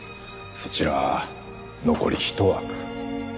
そちら残り１枠。